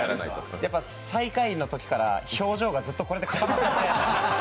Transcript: やっぱ最下位のときから表情がずっとこれで固まって。